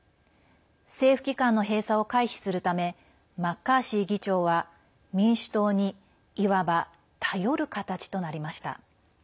政府機関の閉鎖を回避するためマッカーシー議長は民主党にいわば頼る形となりました。